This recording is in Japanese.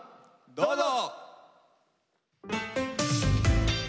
どうぞ！